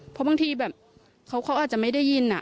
เพราะบางทีแบบเขาอาจจะไม่ได้ยิน